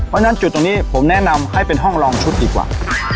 เพราะฉะนั้นจุดตรงนี้ผมแนะนำให้เป็นห้องลองชุดดีกว่า